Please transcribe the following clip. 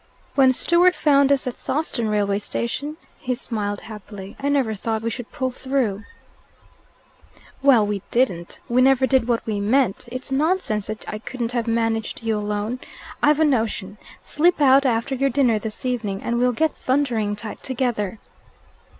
"When Stewart found us at Sawston railway station?" He smiled happily. "I never thought we should pull through." "Well, we DIDN'T. We never did what we meant. It's nonsense that I couldn't have managed you alone. I've a notion. Slip out after your dinner this evening, and we'll get thundering tight together."